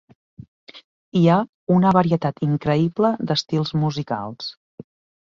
Hi ha una varietat increïble d'estils musicals.